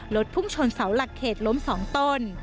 พุ่งชนเสาหลักเขตล้ม๒ต้น